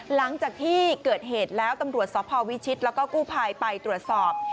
หลังจากที่เกิดเหตุแล้วตำรวจสพวิชิตแล้วก็กู้ภัยไปตรวจสอบ